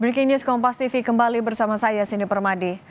breaking news kompas tv kembali bersama saya siny permadi